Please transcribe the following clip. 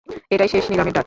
এটাই শেষ নিলামের ডাক।